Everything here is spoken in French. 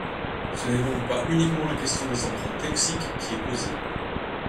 Ce n’est donc pas uniquement la question des emprunts toxiques qui est posée.